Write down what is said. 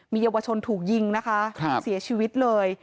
มีเยาวชนถูกยิงนะคะเสียชีวิตเลย